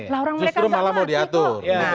nah orang mereka malah mau diatur